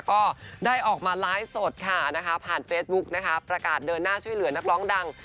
ก็ได้ออกมาไลน์โสดผ่านเฟสบุ๊คประกาศเดินหน้าช่วยเหลือนักร้องดัง